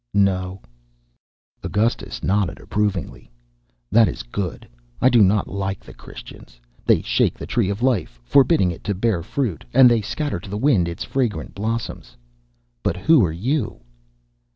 "No." Augustus nodded approvingly. "That is good. I do not like the Christians. They shake the tree of life, forbidding it to bear fruit, and they scatter to the wind its fragrant blossoms. But who are you?"